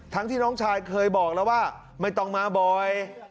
ที่น้องชายเคยบอกแล้วว่าไม่ต้องมาบ่อย